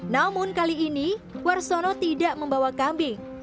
namun kali ini warsono tidak membawa kambing